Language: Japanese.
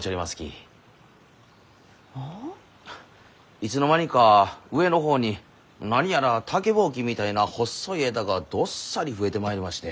いつの間にか上の方に何やら竹ぼうきみたいな細い枝がどっさり増えてまいりまして。